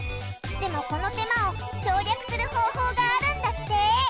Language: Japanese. でもこの手間を省略する方法があるんだって。